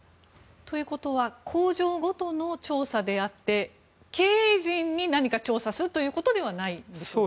ということは工場ごとの調査であって経営陣に何か調査するということではないんでしょうか。